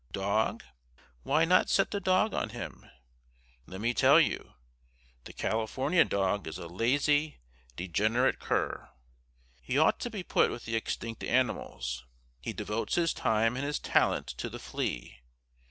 Dog? Why not set the dog on him? Let me tell you. The California dog is a lazy, degenerate cur. He ought to be put with the extinct animals. He devotes his time and his talent to the flea.